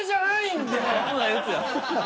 危ないやつや。